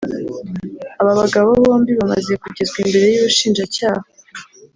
aba bagabo bombi bamaze kugezwa imbere y’ubushinjacyaha